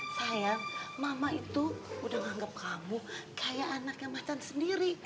sayang mama itu udah menganggap kamu kayak anak yang macan sendiri